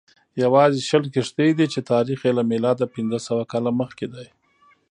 یوازې شل کښتۍ دي چې تاریخ یې له میلاده پنځه سوه کاله مخکې دی